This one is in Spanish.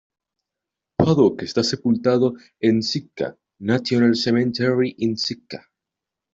Paddock esta sepultado en Sitka National Cemetery in Sitka.